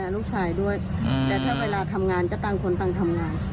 ลูกสาวด้วยแต่ถ้าเวลาทำงานก็ตั้งคนตั้งทำงาน